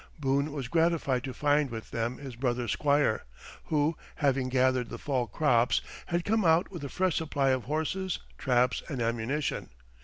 Boone was gratified to find with them his brother Squire, who, having gathered the fall crops, had come out with a fresh supply of horses, traps, and ammunition.